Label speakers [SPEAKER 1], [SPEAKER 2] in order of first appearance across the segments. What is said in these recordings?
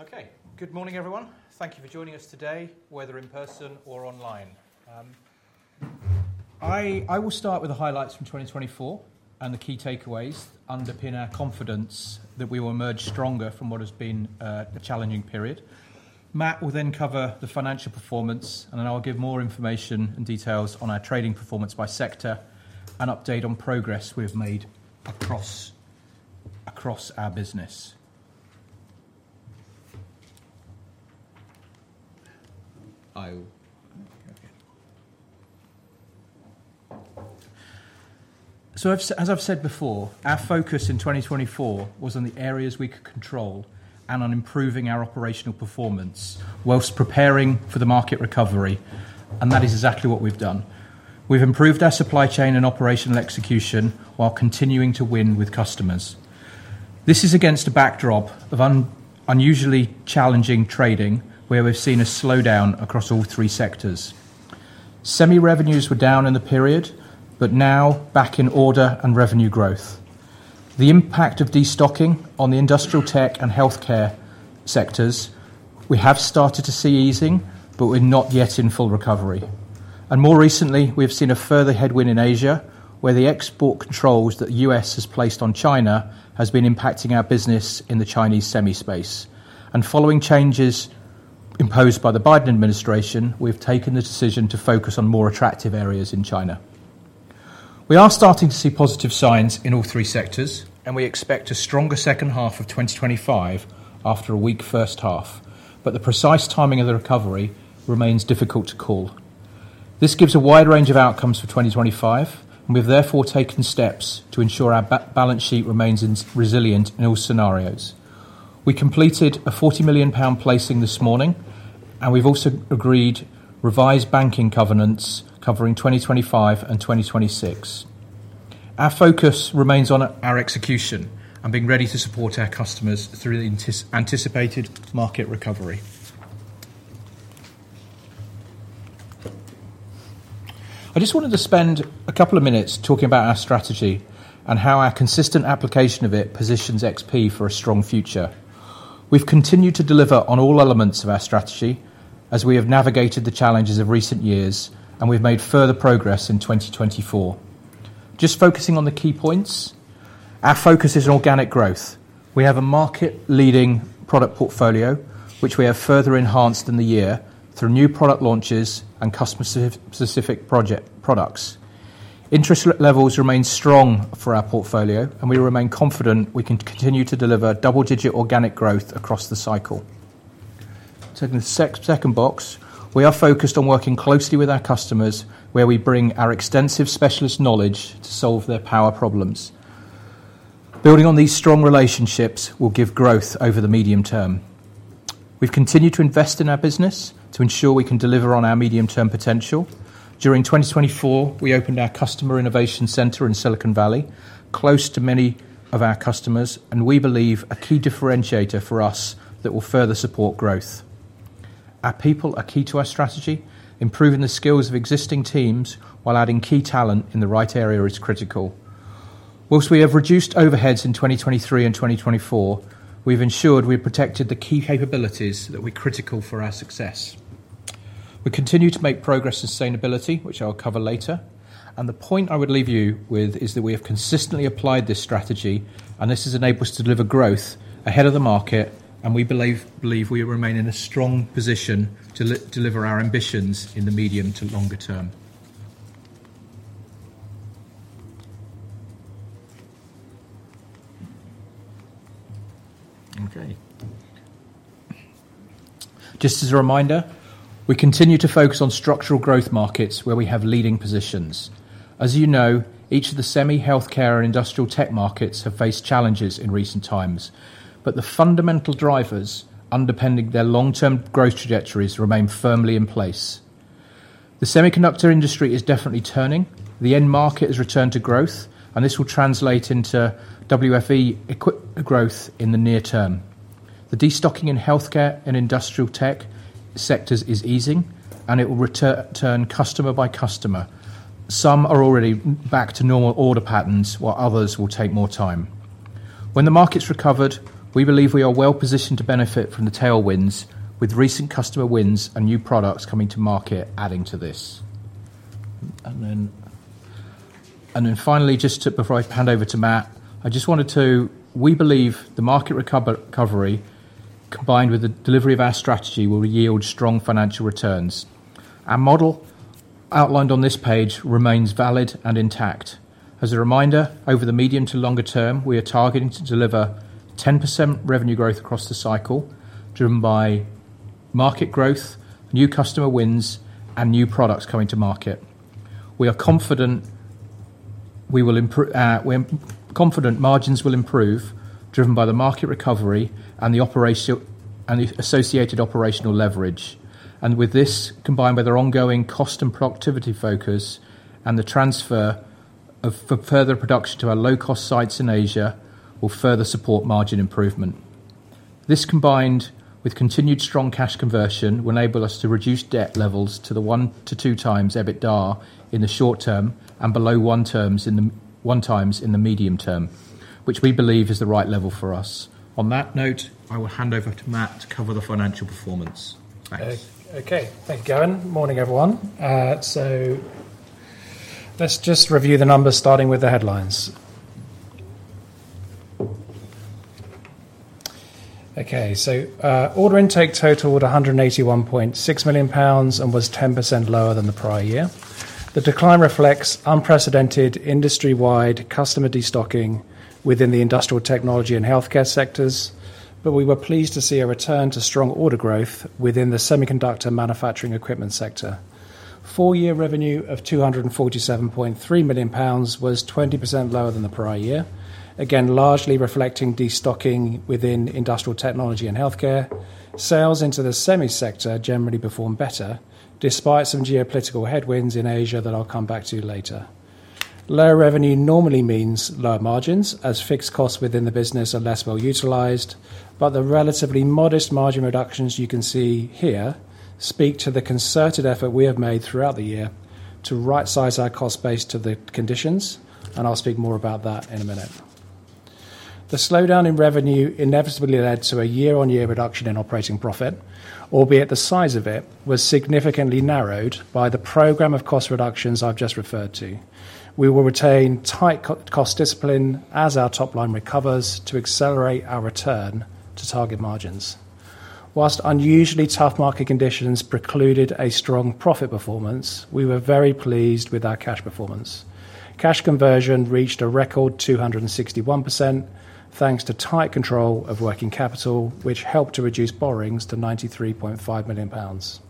[SPEAKER 1] Okay. Good morning, everyone. Thank you for joining us today, whether in person or online. I will start with the highlights from 2024 and the key takeaways, underpin our confidence that we will emerge stronger from what has been a challenging period. Matt will then cover the financial performance, and then I'll give more information and details on our trading performance by sector and update on progress we have made across our business. As I've said before, our focus in 2024 was on the areas we could control and on improving our operational performance whilst preparing for the market recovery, and that is exactly what we've done. We've improved our supply chain and operational execution while continuing to win with customers. This is against a backdrop of unusually challenging trading where we've seen a slowdown across all three sectors. Semi-revenues were down in the period, but now back in order and revenue growth. The impact of destocking on the industrial, tech, and healthcare sectors, we have started to see easing, but we're not yet in full recovery. More recently, we have seen a further headwind in Asia where the export controls that the U.S. has placed on China have been impacting our business in the Chinese semi space. Following changes imposed by the Biden administration, we've taken the decision to focus on more attractive areas in China. We are starting to see positive signs in all three sectors, and we expect a stronger second half of 2025 after a weak first half, but the precise timing of the recovery remains difficult to call. This gives a wide range of outcomes for 2025, and we've therefore taken steps to ensure our balance sheet remains resilient in all scenarios. We completed a 40 million pound placing this morning, and we've also agreed revised banking covenants covering 2025 and 2026. Our focus remains on our execution and being ready to support our customers through the anticipated market recovery. I just wanted to spend a couple of minutes talking about our strategy and how our consistent application of it positions XP Power for a strong future. We've continued to deliver on all elements of our strategy as we have navigated the challenges of recent years, and we've made further progress in 2024. Just focusing on the key points, our focus is on organic growth. We have a market-leading product portfolio, which we have further enhanced in the year through new product launches and customer-specific products. Interest levels remain strong for our portfolio, and we remain confident we can continue to deliver double-digit organic growth across the cycle. Taking the second box, we are focused on working closely with our customers where we bring our extensive specialist knowledge to solve their power problems. Building on these strong relationships will give growth over the medium term. We've continued to invest in our business to ensure we can deliver on our medium-term potential. During 2024, we opened our customer innovation center in Silicon Valley, close to many of our customers, and we believe a key differentiator for us that will further support growth. Our people are key to our strategy. Improving the skills of existing teams while adding key talent in the right area is critical. Whilst we have reduced overheads in 2023 and 2024, we've ensured we've protected the key capabilities that were critical for our success. We continue to make progress in sustainability, which I'll cover later. The point I would leave you with is that we have consistently applied this strategy, and this has enabled us to deliver growth ahead of the market, and we believe we remain in a strong position to deliver our ambitions in the medium to longer term. [Okay.] Just as a reminder, we continue to focus on structural growth markets where we have leading positions. As you know, each of the semi, healthcare, and industrial tech markets have faced challenges in recent times, but the fundamental drivers underpinning their long-term growth trajectories remain firmly in place. The semiconductor industry is definitely turning. The end market has returned to growth, and this will translate into WFE growth in the near term. The destocking in healthcare and industrial tech sectors is easing, and it will return customer by customer. Some are already back to normal order patterns, while others will take more time. When the markets recover, we believe we are well positioned to benefit from the tailwinds with recent customer wins and new products coming to market adding to this. Finally, just before I hand over to Matt, I just wanted to say we believe the market recovery combined with the delivery of our strategy will yield strong financial returns. Our model outlined on this page remains valid and intact. As a reminder, over the medium to longer term, we are targeting to deliver 10% revenue growth across the cycle driven by market growth, new customer wins, and new products coming to market. We are confident margins will improve driven by the market recovery and the associated operational leverage. With this, combined with our ongoing cost and productivity focus and the transfer of further production to our low-cost sites in Asia, this will further support margin improvement. This combined with continued strong cash conversion will enable us to reduce debt levels to the one to two times EBITDA in the short term and below one times in the medium term, which we believe is the right level for us. On that note, I will hand over to Matt to cover the financial performance. Thanks.
[SPEAKER 2] Okay. Thank you, Gavin. Morning, everyone. Let's just review the numbers starting with the headlines. Order intake totaled 181.6 million pounds and was 10% lower than the prior year. The decline reflects unprecedented industry-wide customer destocking within the industrial, technology, and healthcare sectors, but we were pleased to see a return to strong order growth within the semiconductor manufacturing equipment sector. Full-year revenue of 247.3 million pounds was 20% lower than the prior year, again largely reflecting destocking within industrial, technology, and healthcare. Sales into the semi sector generally performed better despite some geopolitical headwinds in Asia that I'll come back to later. Lower revenue normally means lower margins as fixed costs within the business are less well utilized, but the relatively modest margin reductions you can see here speak to the concerted effort we have made throughout the year to right-size our cost base to the conditions, and I'll speak more about that in a minute. The slowdown in revenue inevitably led to a year-on-year reduction in operating profit, albeit the size of it was significantly narrowed by the program of cost reductions I've just referred to. We will retain tight cost discipline as our top line recovers to accelerate our return to target margins. Whilst unusually tough market conditions precluded a strong profit performance, we were very pleased with our cash performance. Cash conversion reached a record 261% thanks to tight control of working capital, which helped to reduce borrowings to 93.5 million pounds.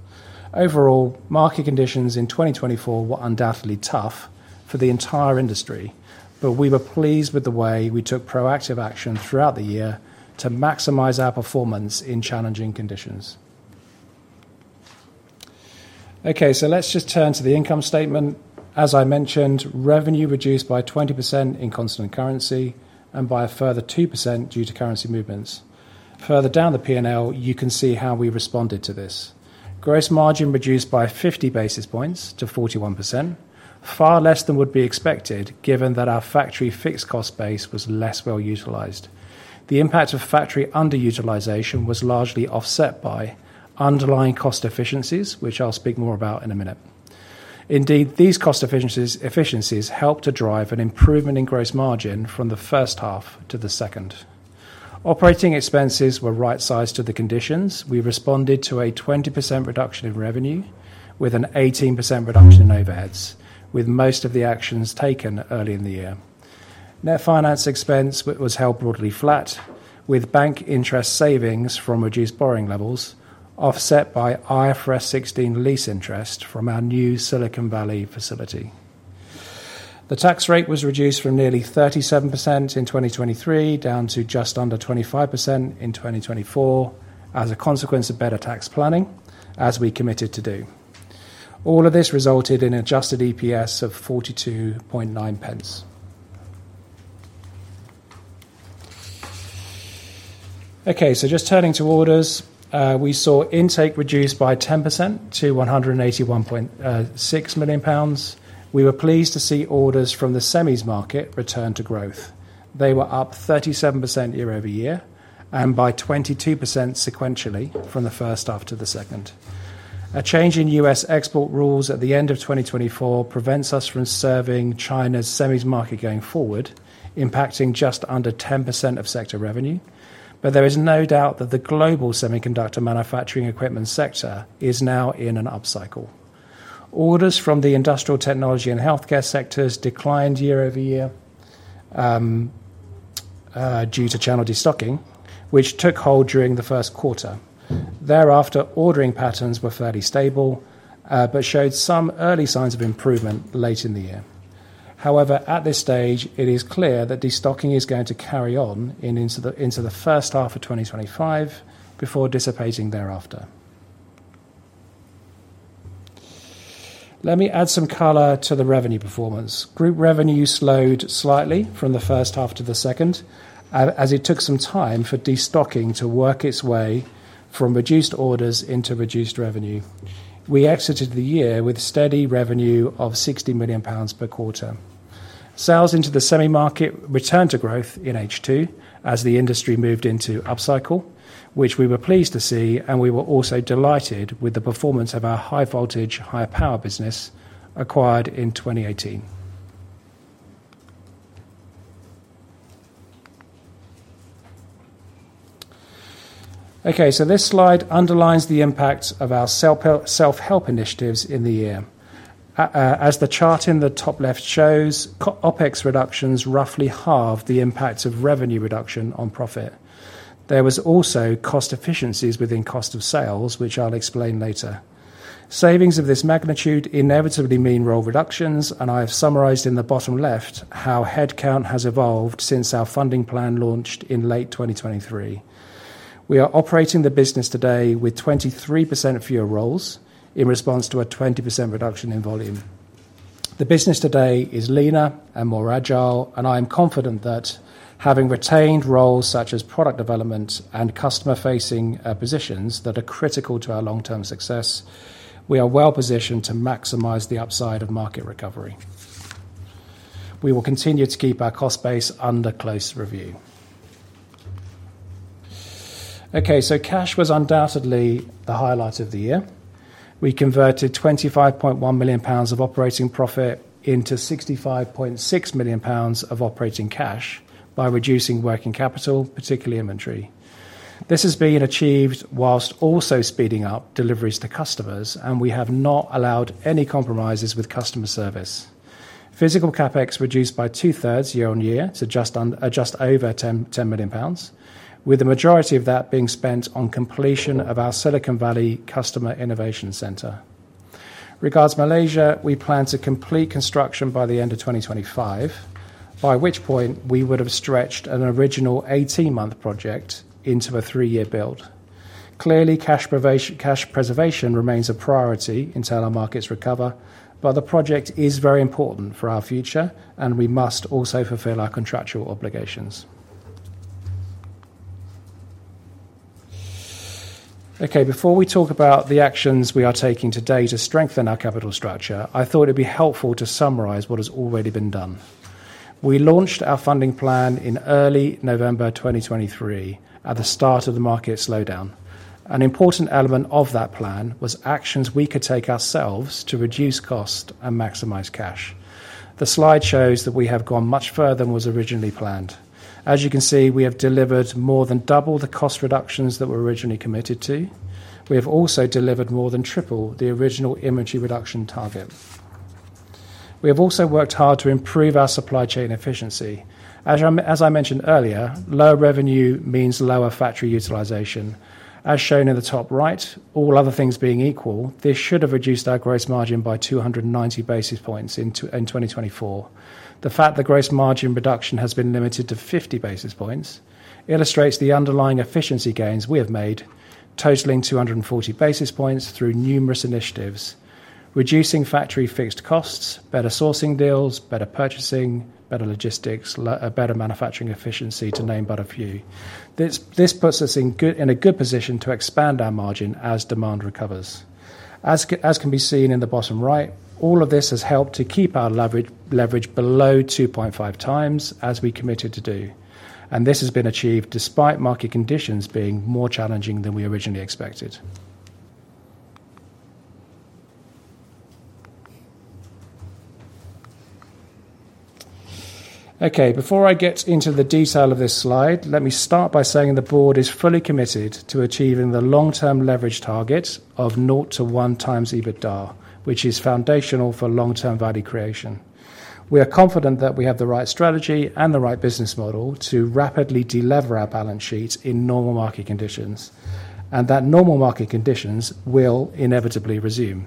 [SPEAKER 2] Overall, market conditions in 2024 were undoubtedly tough for the entire industry, but we were pleased with the way we took proactive action throughout the year to maximize our performance in challenging conditions. Okay. Let's just turn to the income statement. As I mentioned, revenue reduced by 20% in constant currency and by a further 2% due to currency movements. Further down the P&L, you can see how we responded to this. Gross margin reduced by 50 basis points to 41%, far less than would be expected given that our factory fixed cost base was less well utilized. The impact of factory underutilization was largely offset by underlying cost efficiencies, which I'll speak more about in a minute. Indeed, these cost efficiencies helped to drive an improvement in gross margin from the first half to the second. Operating expenses were right-sized to the conditions. We responded to a 20% reduction in revenue with an 18% reduction in overheads, with most of the actions taken early in the year. Net finance expense was held broadly flat, with bank interest savings from reduced borrowing levels offset by IFRS 16 lease interest from our new Silicon Valley facility. The tax rate was reduced from nearly 37% in 2023 down to just under 25% in 2024 as a consequence of better tax planning, as we committed to do. All of this resulted in an adjusted EPS of 42.9 pence. Okay. Just turning to orders, we saw intake reduced by 10% to 181.6 million pounds. We were pleased to see orders from the semis market return to growth. They were up 37% year-over-year and by 22% sequentially from the first after the second. A change in U.S. export rules at the end of 2024 prevents us from serving China's semis market going forward, impacting just under 10% of sector revenue, but there is no doubt that the global semiconductor manufacturing equipment sector is now in an upcycle. Orders from the industrial, technology, and healthcare sectors declined year-over year due to channel destocking, which took hold during the first quarter. Thereafter, ordering patterns were fairly stable but showed some early signs of improvement late in the year. However, at this stage, it is clear that destocking is going to carry on into the first half of 2025 before dissipating thereafter. Let me add some color to the revenue performance. Group revenue slowed slightly from the first half to the second as it took some time for destocking to work its way from reduced orders into reduced revenue. We exited the year with steady revenue of 60 million pounds per quarter. Sales into the semi market returned to growth in H2 as the industry moved into upcycle, which we were pleased to see, and we were also delighted with the performance of our high-voltage, high-power business acquired in 2018. This slide underlines the impact of our self-help initiatives in the year. As the chart in the top left shows, OPEX reductions roughly halved the impact of revenue reduction on profit. There was also cost efficiencies within cost of sales, which I'll explain later. Savings of this magnitude inevitably mean role reductions, and I have summarized in the bottom left how headcount has evolved since our funding plan launched in late 2023. We are operating the business today with 23% fewer roles in response to a 20% reduction in volume. The business today is leaner and more agile, and I am confident that having retained roles such as product development and customer-facing positions that are critical to our long-term success, we are well positioned to maximize the upside of market recovery. We will continue to keep our cost base under close review. Okay. Cash was undoubtedly the highlight of the year. We converted 25.1 million pounds of operating profit into 65.6 million pounds of operating cash by reducing working capital, particularly inventory. This has been achieved whilst also speeding up deliveries to customers, and we have not allowed any compromises with customer service. Physical CapEx reduced by two-thirds year on year to just over 10 million pounds, with the majority of that being spent on completion of our Silicon Valley customer innovation center. Regards Malaysia, we plan to complete construction by the end of 2025, by which point we would have stretched an original 18-month project into a three-year build. Clearly, cash preservation remains a priority until our markets recover, but the project is very important for our future, and we must also fulfill our contractual obligations. Okay. Before we talk about the actions we are taking today to strengthen our capital structure, I thought it would be helpful to summarize what has already been done. We launched our funding plan in early November 2023 at the start of the market slowdown. An important element of that plan was actions we could take ourselves to reduce cost and maximize cash. The slide shows that we have gone much further than was originally planned. As you can see, we have delivered more than double the cost reductions that were originally committed to. We have also delivered more than triple the original inventory reduction target. We have also worked hard to improve our supply chain efficiency. As I mentioned earlier, low revenue means lower factory utilization. As shown in the top right, all other things being equal, this should have reduced our gross margin by 290 basis points in 2024. The fact that gross margin reduction has been limited to 50 basis points illustrates the underlying efficiency gains we have made, totaling 240 basis points through numerous initiatives, reducing factory fixed costs, better sourcing deals, better purchasing, better logistics, better manufacturing efficiency, to name but a few. This puts us in a good position to expand our margin as demand recovers. As can be seen in the bottom right, all of this has helped to keep our leverage below 2.5 times as we committed to do, and this has been achieved despite market conditions being more challenging than we originally expected. Okay. Before I get into the detail of this slide, let me start by saying the Board is fully committed to achieving the long-term leverage target of 0-1 times EBITDA, which is foundational for long-term value creation. We are confident that we have the right strategy and the right business model to rapidly deliver our balance sheets in normal market conditions, and that normal market conditions will inevitably resume.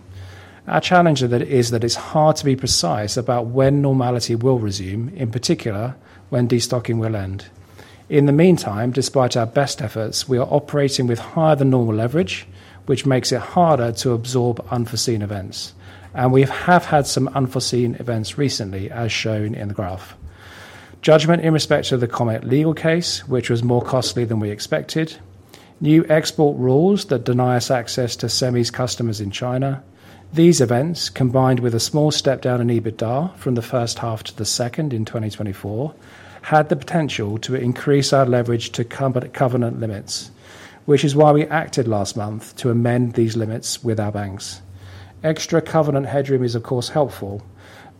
[SPEAKER 2] Our challenge is that it's hard to be precise about when normality will resume, in particular when destocking will end. In the meantime, despite our best efforts, we are operating with higher than normal leverage, which makes it harder to absorb unforeseen events, and we have had some unforeseen events recently, as shown in the graph. Judgment in respect of the Comet legal case, which was more costly than we expected, new export rules that deny us access to semis customers in China. These events, combined with a small step down in EBITDA from the first half to the second in 2024, had the potential to increase our leverage to covenant limits, which is why we acted last month to amend these limits with our banks. Extra covenant headroom is, of course, helpful,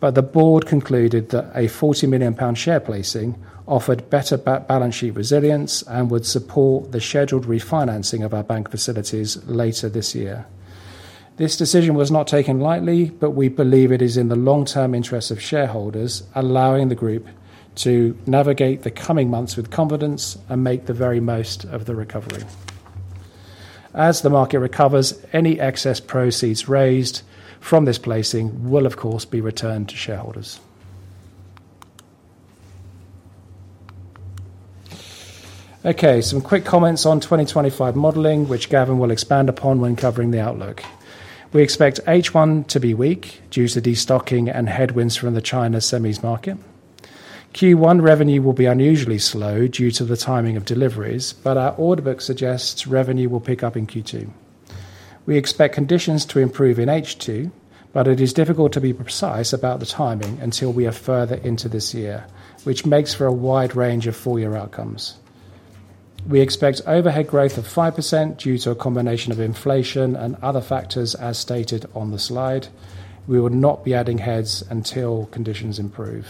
[SPEAKER 2] but the board concluded that a 40 million pound share placing offered better balance sheet resilience and would support the scheduled refinancing of our bank facilities later this year. This decision was not taken lightly, but we believe it is in the long-term interest of shareholders, allowing the group to navigate the coming months with confidence and make the very most of the recovery. As the market recovers, any excess proceeds raised from this placing will, of course, be returned to shareholders. Okay. Some quick comments on 2025 modeling, which Gavin will expand upon when covering the outlook. We expect H1 to be weak due to the destocking and headwinds from the China semis market. Q1 revenue will be unusually slow due to the timing of deliveries, but our order book suggests revenue will pick up in Q2. We expect conditions to improve in H2, but it is difficult to be precise about the timing until we are further into this year, which makes for a wide range of full-year outcomes. We expect overhead growth of 5% due to a combination of inflation and other factors, as stated on the slide. We will not be adding heads until conditions improve.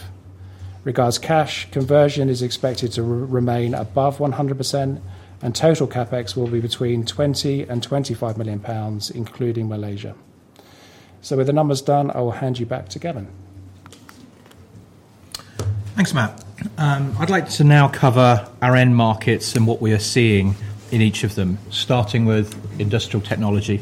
[SPEAKER 2] Regards cash, conversion is expected to remain above 100%, and total CapEx will be between 20 million-25 million pounds, including Malaysia. With the numbers done, I will hand you back to Gavin.
[SPEAKER 1] Thanks, Matt. I'd like to now cover our end markets and what we are seeing in each of them, starting with industrial technology.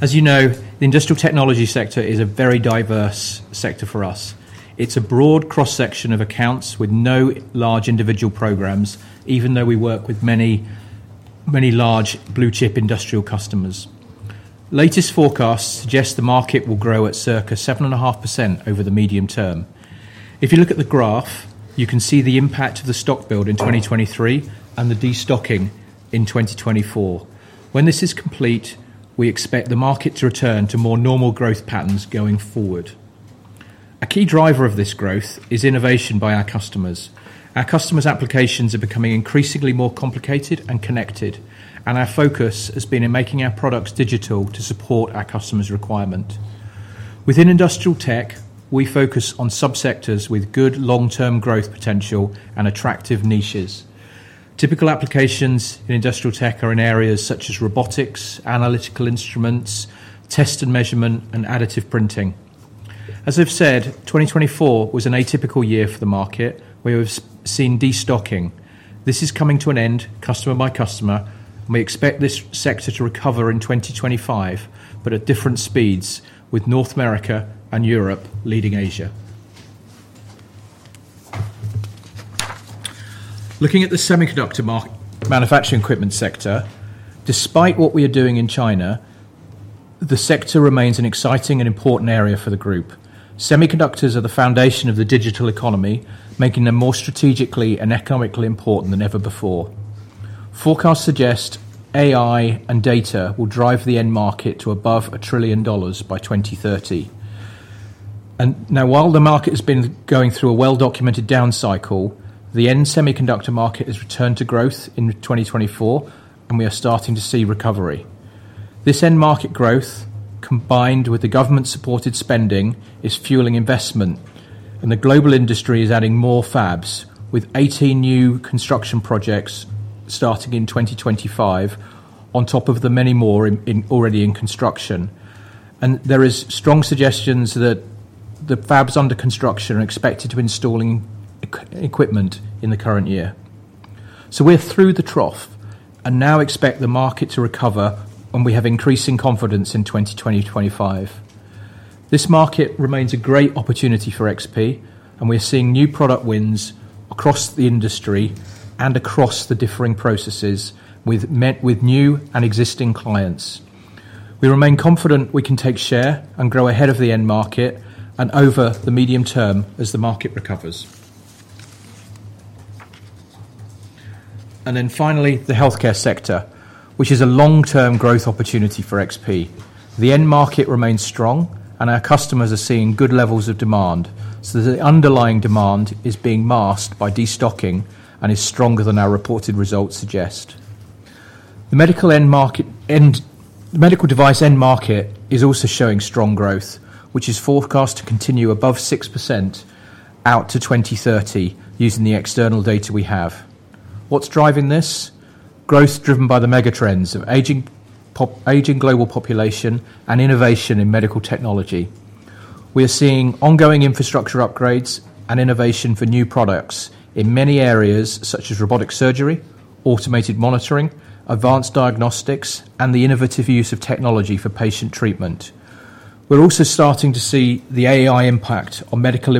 [SPEAKER 1] As you know, the industrial technology sector is a very diverse sector for us. It's a broad cross-section of accounts with no large individual programs, even though we work with many large blue-chip industrial customers. Latest forecasts suggest the market will grow at circa 7.5% over the medium term. If you look at the graph, you can see the impact of the stock build in 2023 and the destocking in 2024. When this is complete, we expect the market to return to more normal growth patterns going forward. A key driver of this growth is innovation by our customers. Our customers' applications are becoming increasingly more complicated and connected, and our focus has been in making our products digital to support our customers' requirement. Within industrial tech, we focus on subsectors with good long-term growth potential and attractive niches. Typical applications in industrial tech are in areas such as robotics, analytical instruments, test and measurement, and additive printing. As I've said, 2024 was an atypical year for the market. We have seen destocking. This is coming to an end, customer by customer. We expect this sector to recover in 2025, but at different speeds, with North America and Europe leading Asia. Looking at the semiconductor manufacturing equipment sector, despite what we are doing in China, the sector remains an exciting and important area for the group. Semiconductors are the foundation of the digital economy, making them more strategically and economically important than ever before. Forecasts suggest AI and data will drive the end market to above a trillion dollars by 2030. Now, while the market has been going through a well-documented down cycle, the end semiconductor market has returned to growth in 2024, and we are starting to see recovery. This end market growth, combined with the government-supported spending, is fueling investment, and the global industry is adding more fabs, with 18 new construction projects starting in 2025 on top of the many more already in construction. There are strong suggestions that the fabs under construction are expected to be installing equipment in the current year. We are through the trough and now expect the market to recover, and we have increasing confidence in 2020-2025. This market remains a great opportunity for XP Power, and we are seeing new product wins across the industry and across the differing processes with new and existing clients. We remain confident we can take share and grow ahead of the end market over the medium term as the market recovers. Finally, the healthcare sector, which is a long-term growth opportunity for XP Power. The end market remains strong, and our customers are seeing good levels of demand, so the underlying demand is being masked by destocking and is stronger than our reported results suggest. The medical device end market is also showing strong growth, which is forecast to continue above 6% out to 2030 using the external data we have. What's driving this? Growth driven by the megatrends of aging global population and innovation in medical technology. We are seeing ongoing infrastructure upgrades and innovation for new products in many areas, such as robotic surgery, automated monitoring, advanced diagnostics, and the innovative use of technology for patient treatment. We're also starting to see the AI impact on medical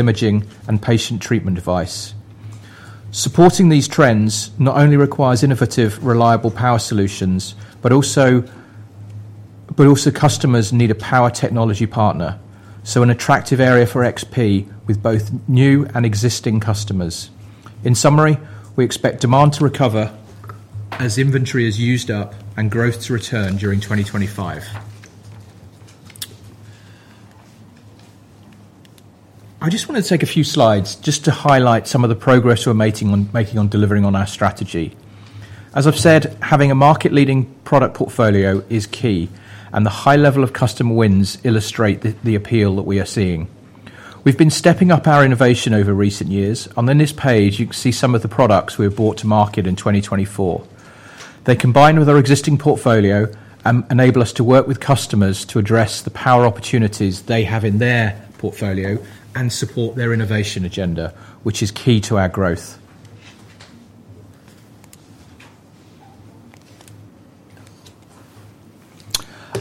[SPEAKER 1] imaging and patient treatment device. Supporting these trends not only requires innovative, reliable power solutions, but also customers need a power technology partner, so an attractive area for XP Power with both new and existing customers. In summary, we expect demand to recover as inventory is used up and growth to return during 2025. I just want to take a few slides just to highlight some of the progress we're making on delivering on our strategy. As I've said, having a market-leading product portfolio is key, and the high level of customer wins illustrate the appeal that we are seeing. We've been stepping up our innovation over recent years, and on this page, you can see some of the products we have brought to market in 2024. They combine with our existing portfolio and enable us to work with customers to address the power opportunities they have in their portfolio and support their innovation agenda, which is key to our growth.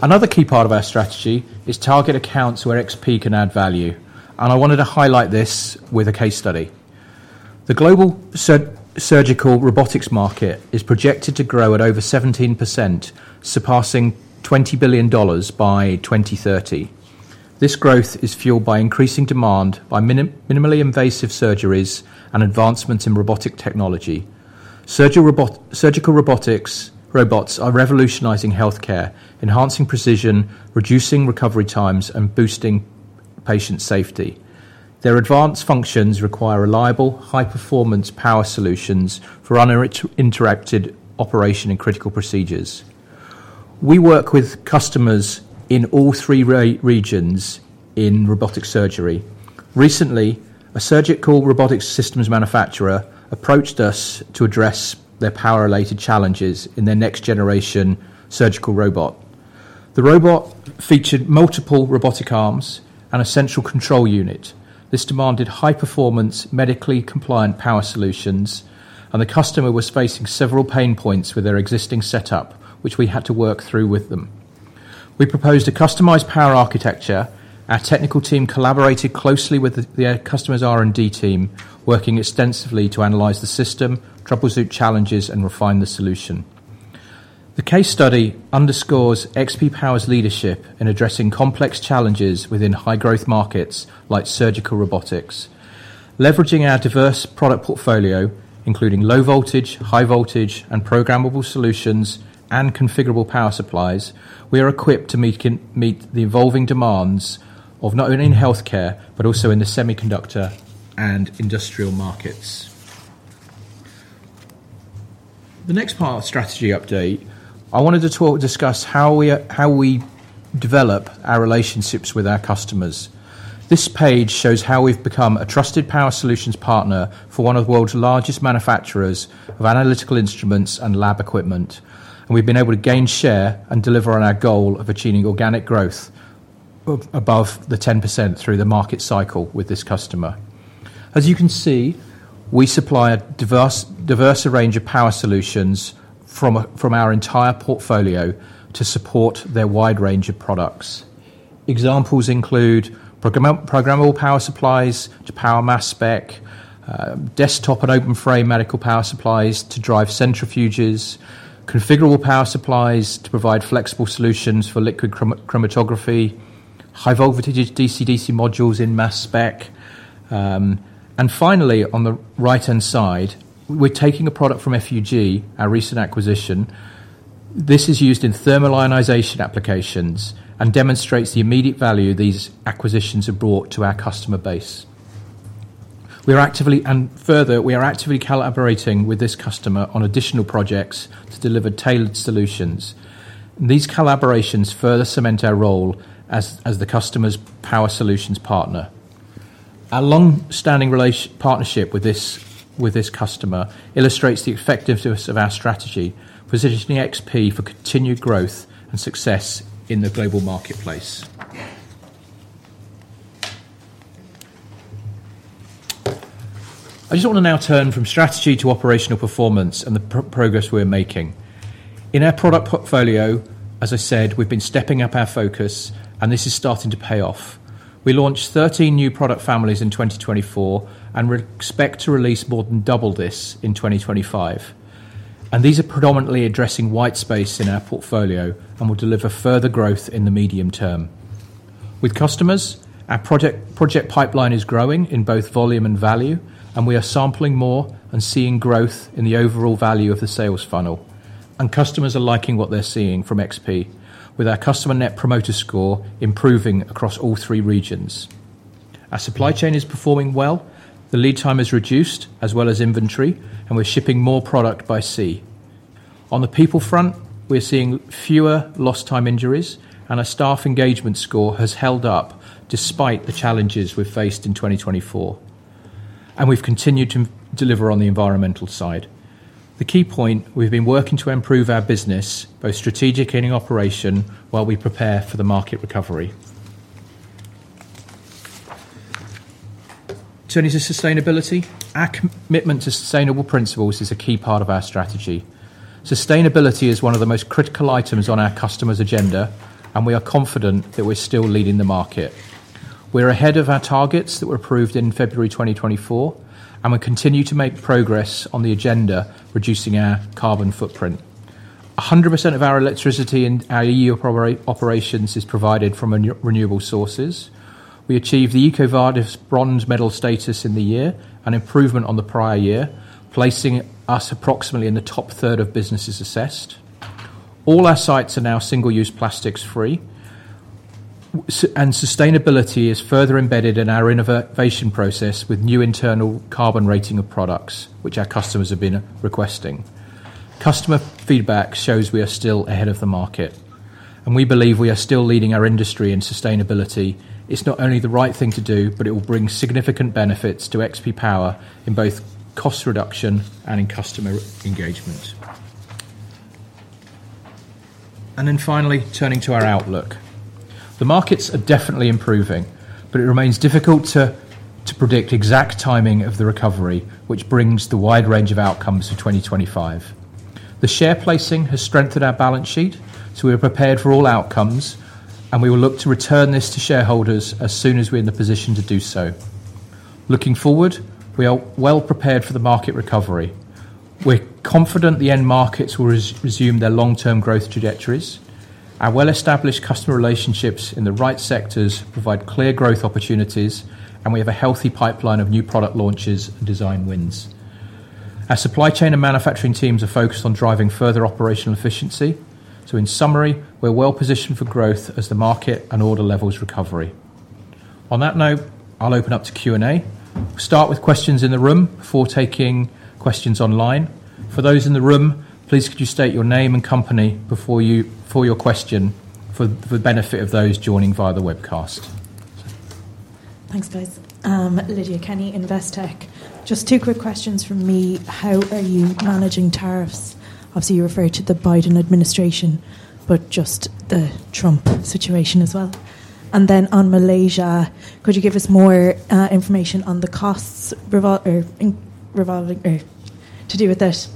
[SPEAKER 1] Another key part of our strategy is target accounts where XP Power can add value, and I wanted to highlight this with a case study. The global surgical robotics market is projected to grow at over 17%, surpassing $20 billion by 2030. This growth is fueled by increasing demand for minimally invasive surgeries and advancements in robotic technology. Surgical robots are revolutionizing healthcare, enhancing precision, reducing recovery times, and boosting patient safety. Their advanced functions require reliable, high-performance power solutions for uninterrupted operation in critical procedures. We work with customers in all three regions in robotic surgery. Recently, a Surgical Robotics Systems manufacturer approached us to address their power-related challenges in their next-generation surgical robot. The robot featured multiple robotic arms and a central control unit. This demanded high-performance, medically compliant power solutions, and the customer was facing several pain points with their existing setup, which we had to work through with them. We proposed a customized power architecture. Our technical team collaborated closely with the customer's R&D team, working extensively to analyze the system, troubleshoot challenges, and refine the solution. The case study underscores XP Power's leadership in addressing complex challenges within high-growth markets like surgical robotics. Leveraging our diverse product portfolio, including low-voltage, high-voltage, and programmable solutions and configurable power supplies, we are equipped to meet the evolving demands of not only in healthcare but also in the semiconductor and industrial markets. The next part of the strategy update, I wanted to discuss how we develop our relationships with our customers. This page shows how we've become a trusted power solutions partner for one of the world's largest manufacturers of analytical instruments and lab equipment, and we've been able to gain share and deliver on our goal of achieving organic growth above the 10% through the market cycle with this customer. As you can see, we supply a diverse range of power solutions from our entire portfolio to support their wide range of products. Examples include programmable power supplies to power mass spec, desktop and open-frame medical power supplies to drive centrifuges, configurable power supplies to provide flexible solutions for liquid chromatography, high-voltage DC-DC modules in mass spec. Finally, on the right-hand side, we're taking a product from FUG, our recent acquisition. This is used in thermal ionization applications and demonstrates the immediate value these acquisitions have brought to our customer base. Further, we are actively collaborating with this customer on additional projects to deliver tailored solutions. These collaborations further cement our role as the customer's power solutions partner. Our long-standing partnership with this customer illustrates the effectiveness of our strategy, positioning XP Power for continued growth and success in the global marketplace. I just want to now turn from strategy to operational performance and the progress we're making. In our product portfolio, as I said, we've been stepping up our focus, and this is starting to pay off. We launched 13 new product families in 2024 and expect to release more than double this in 2025. These are predominantly addressing white space in our portfolio and will deliver further growth in the medium term. With customers, our project pipeline is growing in both volume and value, and we are sampling more and seeing growth in the overall value of the sales funnel. Customers are liking what they're seeing from XP Power, with our customer net promoter score improving across all three regions. Our supply chain is performing well. The lead time is reduced, as well as inventory, and we're shipping more product by sea. On the people front, we're seeing fewer lost-time injuries, and our staff engagement score has held up despite the challenges we've faced in 2024. We have continued to deliver on the environmental side. The key point is we have been working to improve our business, both strategic and in operation, while we prepare for the market recovery. Turning to sustainability, our commitment to sustainable principles is a key part of our strategy. Sustainability is one of the most critical items on our customer's agenda, and we are confident that we're still leading the market. We're ahead of our targets that were approved in February 2024, and we continue to make progress on the agenda, reducing our carbon footprint. 100% of our electricity in our EU operations is provided from renewable sources. We achieved the EcoVadis bronze medal status in the year, an improvement on the prior year, placing us approximately in the top third of businesses assessed. All our sites are now single-use plastics-free, and sustainability is further embedded in our innovation process with new internal carbon rating of products, which our customers have been requesting. Customer feedback shows we are still ahead of the market, and we believe we are still leading our industry in sustainability. is not only the right thing to do, but it will bring significant benefits to XP Power in both cost reduction and in customer engagement. Finally, turning to our outlook. The markets are definitely improving, but it remains difficult to predict exact timing of the recovery, which brings the wide range of outcomes for 2025. The share placing has strengthened our balance sheet, so we are prepared for all outcomes, and we will look to return this to shareholders as soon as we are in the position to do so. Looking forward, we are well prepared for the market recovery. We are confident the end markets will resume their long-term growth trajectories. Our well-established customer relationships in the right sectors provide clear growth opportunities, and we have a healthy pipeline of new product launches and design wins. Our supply chain and manufacturing teams are focused on driving further operational efficiency. In summary, we're well positioned for growth as the market and order levels recover. On that note, I'll open up to Q&A. We'll start with questions in the room before taking questions online. For those in the room, please could you state your name and company for your question for the benefit of those joining via the webcast?
[SPEAKER 3] Thanks, guys. Lydia Kenny, Investec. Just two quick questions from me. How are you managing tariffs? Obviously, you referred to the Biden administration, but just the Trump situation as well. On Malaysia, could you give us more information on the costs to deal with this?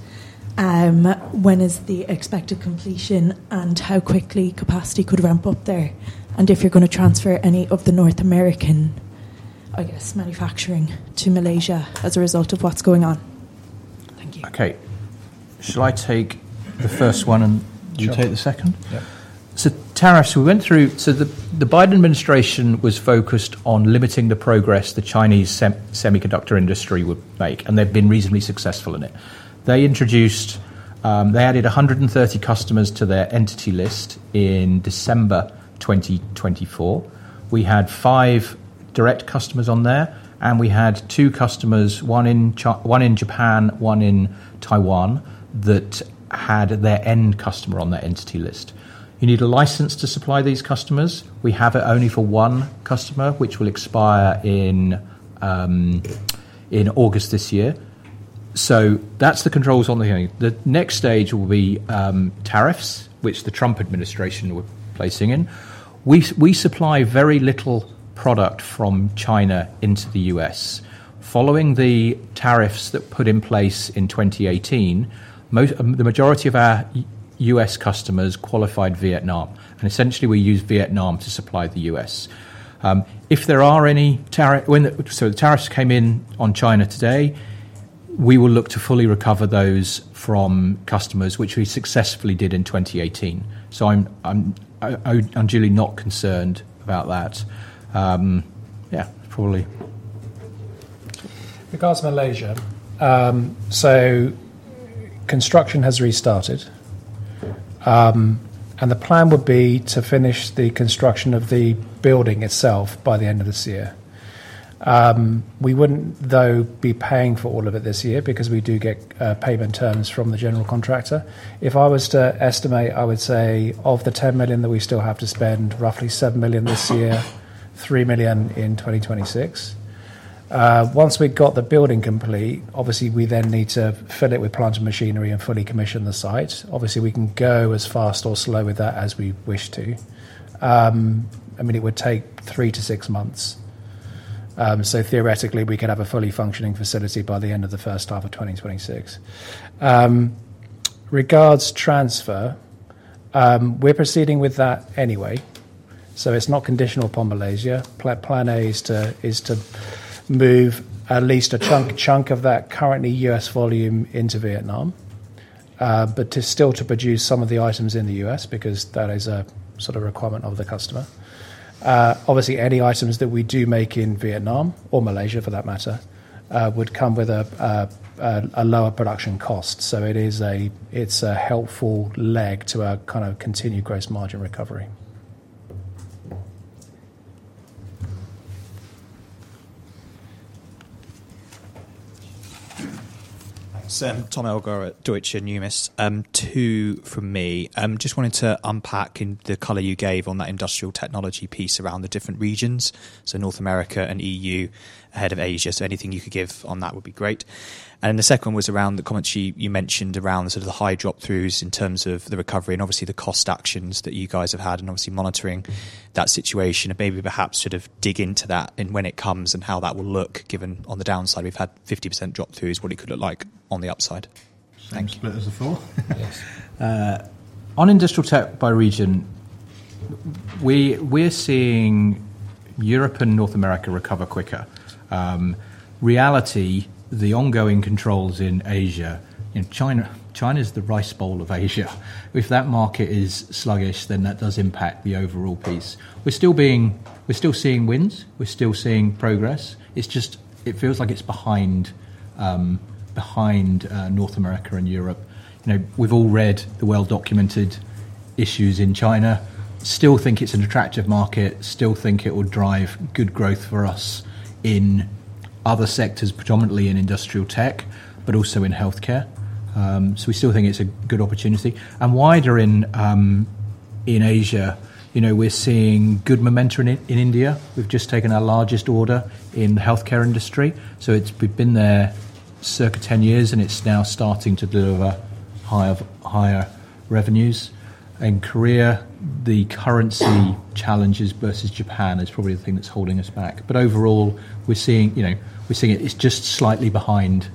[SPEAKER 3] When is the expected completion and how quickly could capacity ramp up there? Are you going to transfer any of the North American manufacturing to Malaysia as a result of what's going on? Thank you.
[SPEAKER 2] Okay. Shall I take the first one and you take the second? Yeah. Tariffs, we went through. The Biden administration was focused on limiting the progress the Chinese semiconductor industry would make, and they've been reasonably successful in it. They added 130 customers to their entity list in December 2024. We had five direct customers on there, and we had two customers, one in Japan, one in Taiwan, that had their end customer on their entity list. You need a license to supply these customers. We have it only for one customer, which will expire in August this year. That is the controls on the hearing. The next stage will be tariffs, which the Trump administration were placing in. We supply very little product from China into the U.S. Following the tariffs that were put in place in 2018, the majority of our US customers qualified Vietnam, and essentially, we use Vietnam to supply the US. If there are any tariffs, so the tariffs came in on China today, we will look to fully recover those from customers, which we successfully did in 2018. I am unduly not concerned about that. Yeah, probably. Regards Malaysia. Construction has restarted, and the plan would be to finish the construction of the building itself by the end of this year. We would not, though, be paying for all of it this year because we do get payment terms from the general contractor. If I was to estimate, I would say of the $10 million that we still have to spend, roughly $7 million this year, $3 million in 2026. Once we've got the building complete, obviously, we then need to fill it with plant and machinery and fully commission the site. Obviously, we can go as fast or slow with that as we wish to. I mean, it would take three to six months. Theoretically, we could have a fully functioning facility by the end of the first half of 2026. Regards transfer, we're proceeding with that anyway. It is not conditional upon Malaysia. Plan A is to move at least a chunk of that currently U.S. volume into Vietnam, but still to produce some of the items in the US because that is a sort of requirement of the customer. Obviously, any items that we do make in Vietnam or Malaysia, for that matter, would come with a lower production cost. It is a helpful leg to our kind of continued gross margin recovery. Thanks.
[SPEAKER 4] Tom Elgar at Deutsche Numis. Two from me. Just wanted to unpack in the color you gave on that industrial technology piece around the different regions, North America and EU ahead of Asia. Anything you could give on that would be great. The second one was around the comment you mentioned around sort of the high drop-throughs in terms of the recovery and obviously the cost actions that you guys have had and obviously monitoring that situation. Maybe perhaps sort of dig into that and when it comes and how that will look given on the downside. We've had 50% drop-throughs, what it could look like on the upside. Thanks.
[SPEAKER 1] Split as a four. Yes. On industrial tech by region, we're seeing Europe and North America recover quicker. Reality, the ongoing controls in Asia. China is the rice bowl of Asia. If that market is sluggish, then that does impact the overall piece. We're still seeing wins. We're still seeing progress. It feels like it's behind North America and Europe. We've all read the well-documented issues in China. I still think it's an attractive market. I still think it would drive good growth for us in other sectors, predominantly in industrial tech, but also in healthcare. I still think it's a good opportunity. Wider in Asia, we're seeing good momentum in India. We've just taken our largest order in the healthcare industry. We've been there circa 10 years, and it's now starting to deliver higher revenues. In Korea, the currency challenges versus Japan are probably the thing that's holding us back. Overall, we're seeing it's just slightly behind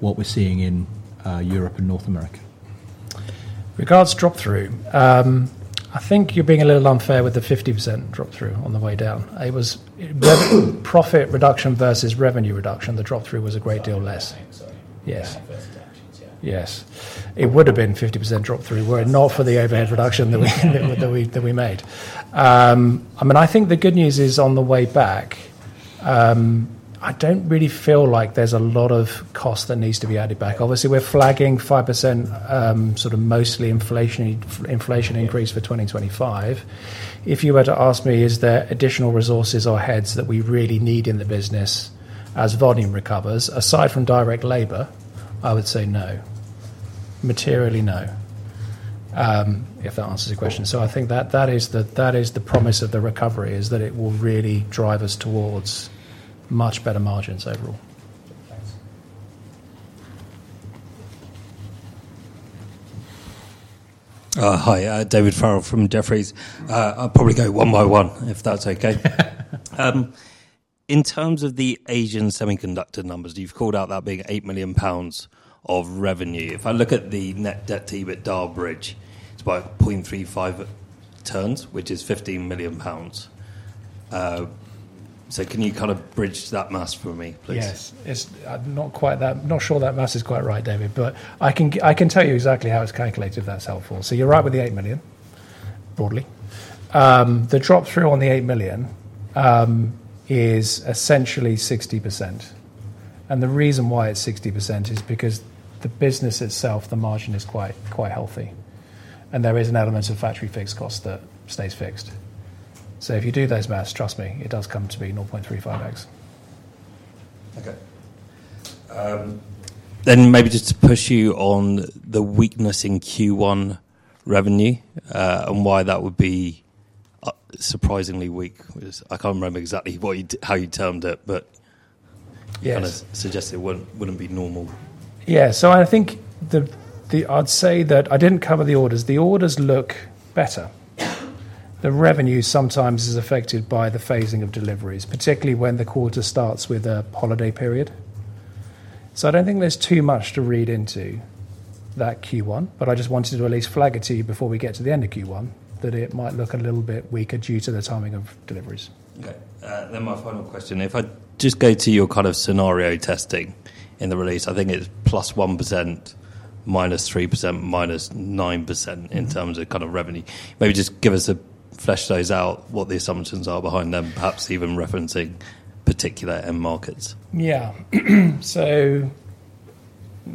[SPEAKER 1] what we're seeing in Europe and North America.
[SPEAKER 2] Regards drop-through. I think you're being a little unfair with the 50% drop-through on the way down. Profit reduction versus revenue reduction, the drop-through was a great deal less. Yes. Yes. It would have been 50% drop-through were it not for the overhead reduction that we made. I mean, I think the good news is on the way back, I don't really feel like there's a lot of cost that needs to be added back. Obviously, we're flagging 5% sort of mostly inflation increase for 2025. If you were to ask me, is there additional resources or heads that we really need in the business as volume recovers, aside from direct labor, I would say no. Materially, no. If that answers your question. I think that is the promise of the recovery, is that it will really drive us towards much better margins overall.
[SPEAKER 4] Thanks.
[SPEAKER 2] Hi, David Farrell from Jefferies.
[SPEAKER 5] I'll probably go one by one if that's okay. In terms of the Asian semiconductor numbers, you've called out that being 8 million pounds of revenue. If I look at the net debt to EBITDA bridge, it's about 0.35 turns, which is 15 million pounds. Can you kind of bridge that math for me, please?
[SPEAKER 2] Yes. Not sure that math is quite right, David, but I can tell you exactly how it's calculated if that's helpful. You're right with the 8 million, broadly. The drop-through on the 8 million is essentially 60%. The reason why it's 60% is because the business itself, the margin is quite healthy. There is an element of factory fixed cost that stays fixed. If you do those maths, trust me, it does come to be 0.35x. Okay.
[SPEAKER 5] Maybe just to push you on the weakness in Q1 revenue and why that would be surprisingly weak. I can't remember exactly how you termed it, but kind of suggested it wouldn't be normal.
[SPEAKER 2] Yeah. I think I'd say that I didn't cover the orders. The orders look better. The revenue sometimes is affected by the phasing of deliveries, particularly when the quarter starts with a holiday period. I don't think there's too much to read into that Q1, but I just wanted to at least flag it to you before we get to the end of Q1, that it might look a little bit weaker due to the timing of deliveries.
[SPEAKER 5] Okay. My final question. If I just go to your kind of scenario testing in the release, I think it's +1%, -3%, -9% in terms of kind of revenue.
[SPEAKER 2] Maybe just give us a flesh those out, what the assumptions are behind them, perhaps even referencing particular end markets. Yeah.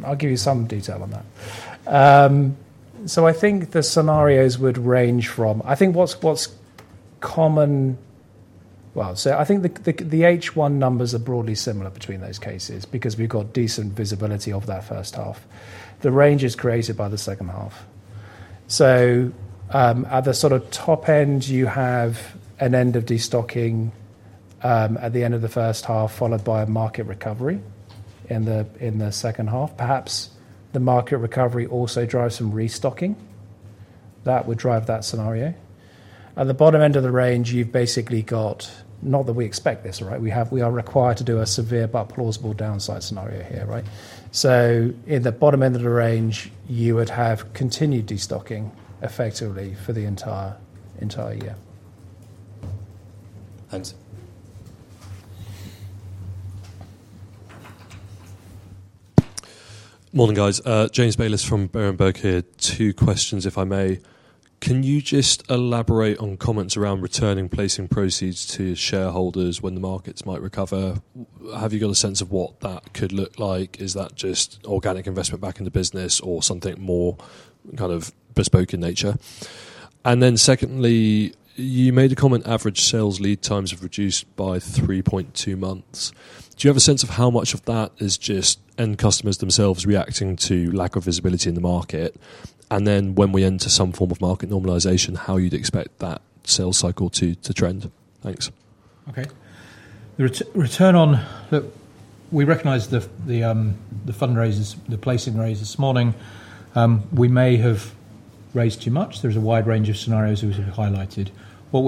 [SPEAKER 2] I'll give you some detail on that. I think the scenarios would range from I think what's common, the H1 numbers are broadly similar between those cases because we've got decent visibility of that first half. The range is created by the second half. At the sort of top end, you have an end of destocking at the end of the first half, followed by a market recovery in the second half. Perhaps the market recovery also drives some restocking. That would drive that scenario. At the bottom end of the range, you've basically got not that we expect this, right? We are required to do a severe but plausible downside scenario here, right? In the bottom end of the range, you would have continued destocking effectively for the entire year.
[SPEAKER 5] Thanks. Morning, guys. James Bayless from Berenberg here. Two questions, if I may. Can you just elaborate on comments around returning placing proceeds to shareholders when the markets might recover? Have you got a sense of what that could look like? Is that just organic investment back into business or something more kind of bespoke in nature? Secondly, you made a comment, average sales lead times have reduced by 3.2 months. Do you have a sense of how much of that is just end customers themselves reacting to lack of visibility in the market? When we enter some form of market normalization, how you'd expect that sales cycle to trend? Thanks.
[SPEAKER 2] Okay. Return on the we recognize the fundraisers, the placing raises this morning. We may have raised too much. There's a wide range of scenarios that we've highlighted. What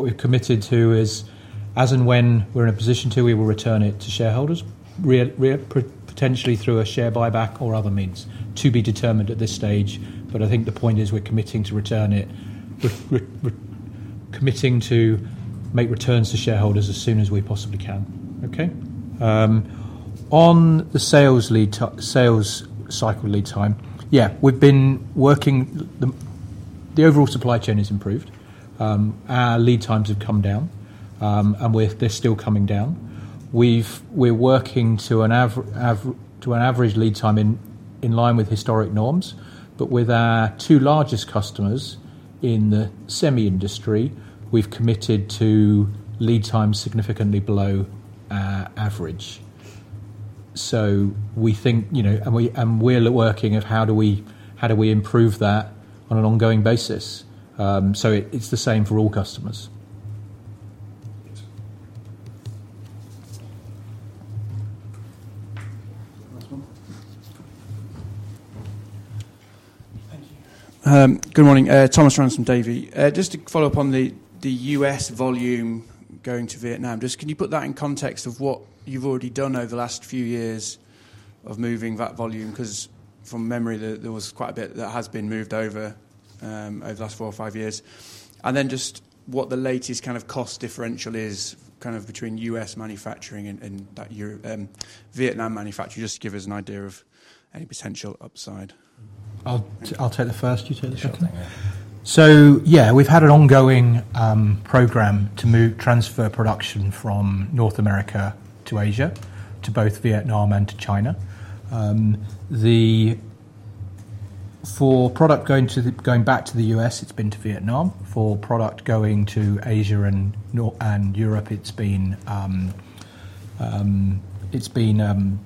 [SPEAKER 2] we've committed to is as and when we're in a position to, we will return it to shareholders, potentially through a share buyback or other means to be determined at this stage. I think the point is we're committing to return it, committing to make returns to shareholders as soon as we possibly can. Okay? On the sales cycle lead time, [yeah,] we've been working, the overall supply chain has improved. Our lead times have come down, and they're still coming down. We're working to an average lead time in line with historic norms. With our two largest customers in the semi industry, we've committed to lead time significantly below average. We think and we're working at how do we improve that on an ongoing basis. It is the same for all customers. Last one.
[SPEAKER 6] Thank you. Good morning. Thomas Ransom Davie. Just to follow up on the U.S volume going to Vietnam, can you put that in context of what you have already done over the last few years of moving that volume? Because from memory, there was quite a bit that has been moved over the last four or five years. What is the latest kind of cost differential between U.S. manufacturing and that Vietnam manufacturer, just to give us an idea of any potential upside?
[SPEAKER 1] I will take the first. You take the second. Okay. We have had an ongoing program to transfer production from North America to Asia, to both Vietnam and to China. For product going back to the U.S., it has been to Vietnam. For product going to Asia and Europe, it's been out of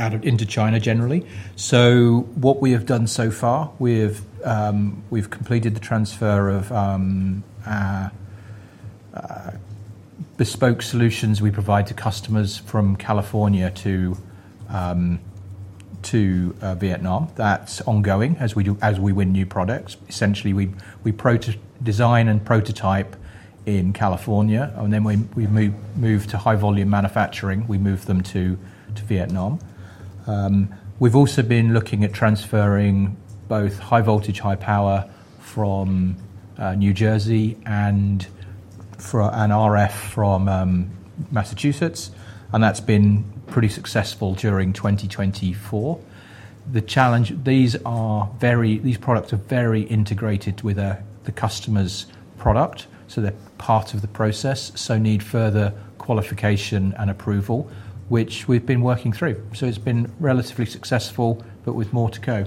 [SPEAKER 1] into China generally. What we have done so far, we've completed the transfer of bespoke solutions we provide to customers from California to Vietnam. That's ongoing as we win new products. Essentially, we design and prototype in California, and then we move to high-volume manufacturing. We move them to Vietnam. We've also been looking at transferring both high-voltage, high-power from New Jersey and an RF from Massachusetts. That's been pretty successful during 2024. The challenge, these products are very integrated with the customer's product. They're part of the process, so need further qualification and approval, which we've been working through. It's been relatively successful, but with more to go.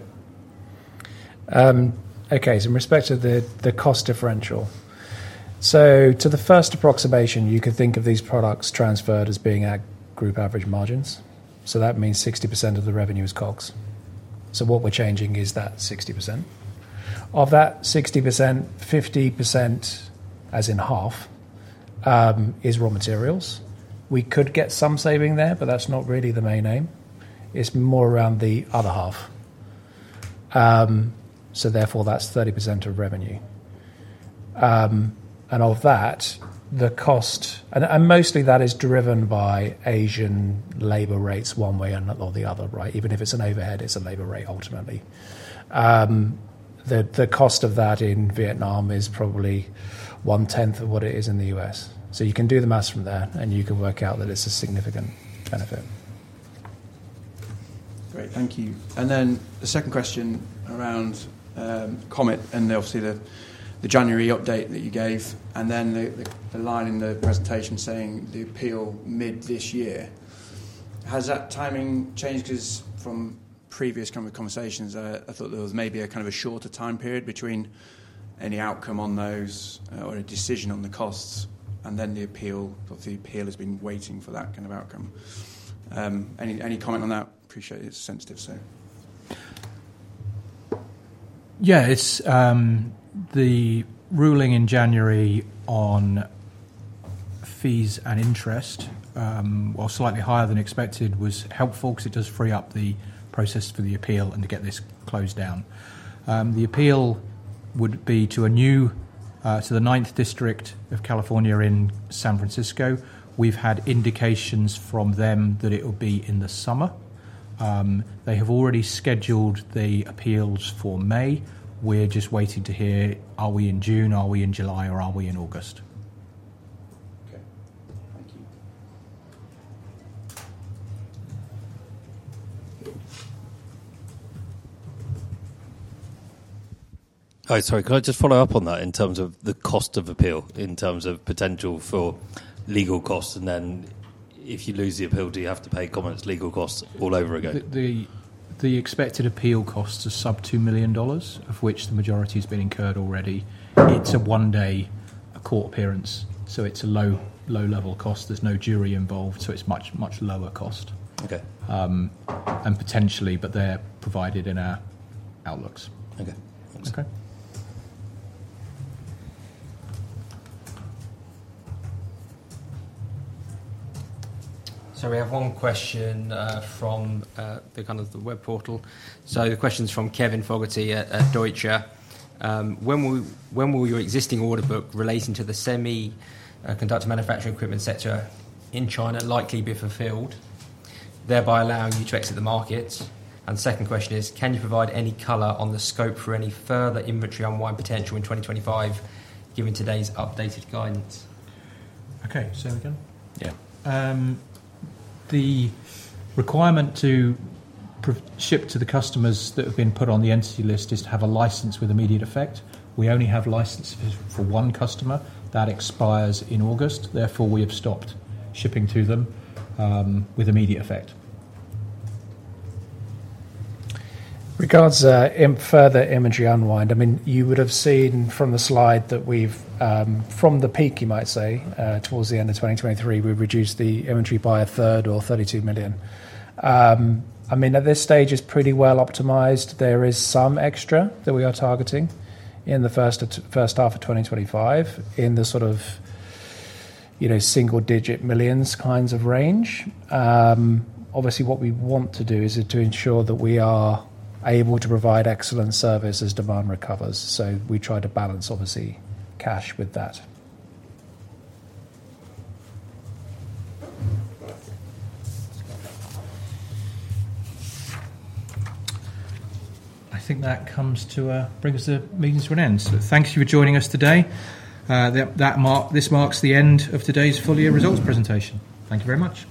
[SPEAKER 2] In respect of the cost differential, to the first approximation, you could think of these products transferred as being at group average margins. That means 60% of the revenue is COGS. What we are changing is that 60%. Of that 60%, 50%, as in half, is raw materials. We could get some saving there, but that is not really the main aim. It is more around the other half. Therefore, that is 30% of revenue. Of that, the cost and mostly that is driven by Asian labor rates one way or the other, right? Even if it is an overhead, it is a labor rate ultimately. The cost of that in Vietnam is probably one-tenth of what it is in the U.S. You can do the maths from there, and you can work out that it is a significant benefit. Great. Thank you.
[SPEAKER 6] The second question around Comet and obviously the January update that you gave, and then the line in the presentation saying the appeal mid this year. Has that timing changed? Because from previous kind of conversations, I thought there was maybe a kind of a shorter time period between any outcome on those or a decision on the costs and then the appeal. The appeal has been waiting for that kind of outcome. Any comment on that? Appreciate it. It's sensitive, so.
[SPEAKER 2] Yeah. The ruling in January on fees and interest, while slightly higher than expected, was helpful because it does free up the process for the appeal and to get this closed down. The appeal would be to the 9th District of California in San Francisco. We've had indications from them that it will be in the summer. They have already scheduled the appeals for May. We're just waiting to hear, are we in June, are we in July, or are we in August? Okay. Thank you. Hi. Sorry. Can I just follow up on that in terms of the cost of appeal, in terms of potential for legal costs? If you lose the appeal, do you have to pay common legal costs all over again? The expected appeal costs are sub $2 million, of which the majority has been incurred already. It's a one-day court appearance. It is a low-level cost. There is no jury involved. It is much, much lower cost. Potentially, but they are provided in our outlooks. Thanks.
[SPEAKER 7] We have one question from the web portal. The question is from Kevin Fogarty at Deutsche Bank. When will your existing order book relating to the semiconductor manufacturing equipment, etc., in China likely be fulfilled, thereby allowing you to exit the market? The second question is, can you provide any color on the scope for any further inventory unwind potential in 2025, given today's updated guidance?
[SPEAKER 1] Okay. Say it again.
[SPEAKER 7] Yeah.
[SPEAKER 1] The requirement to ship to the customers that have been put on the entity list is to have a license with immediate effect. We only have licenses for one customer. That expires in August. Therefore, we have stopped shipping to them with immediate effect. Regards to further inventory unwind, I mean, you would have seen from the slide that we've, from the peak, you might say, towards the end of 2023, we've reduced the inventory by a third or 32 million. I mean, at this stage, it's pretty well optimized. There is some extra that we are targeting in the first half of 2025 in the sort of single-digit millions kind of range. Obviously, what we want to do is to ensure that we are able to provide excellent service as demand recovers. We try to balance, obviously, cash with that. I think that brings the meeting to an end. Thanks for joining us today. This marks the end of today's full-year results presentation. Thank you very much.